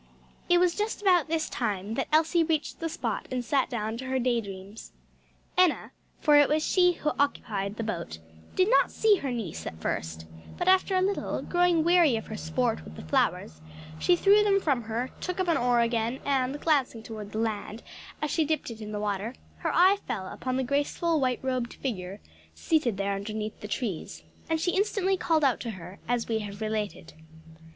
It was just about this time that Elsie reached the spot and sat down to her day dreams. Enna, for she it was who occupied the boat, did not see her niece at first, but after a little, growing weary of her sport with the flowers, she threw them from her, took up an oar again, and glancing toward the land, as she dipped it in the water, her eye fell upon the graceful white robed figure seated there underneath the trees, and she instantly called out to her as we have related.